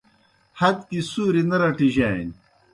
ہت گیُ سُوریْ نہ رٹِجانیْ